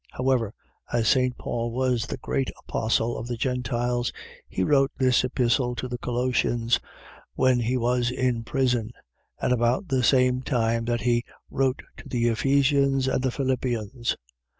However, as St. Paul was the great Apostle of the Gentiles, he wrote this Epistle to the Colossians when he was in prison, and about the same time that he wrote to the Ephesians and Philippians.